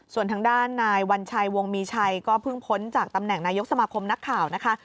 ส่วนทางด้านนายวัญชัยวงมีชัยก็เพิ่งพ้นจากตำแหน่งนายกสมาคมนักข่าวนะคะ